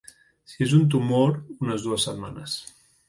Si és un tumor, unes dues setmanes.